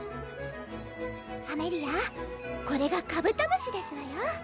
アメリアこれがカブトムシですわよ